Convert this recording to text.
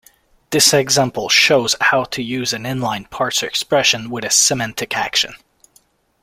This example shows how to use an inline parser expression with a semantic action.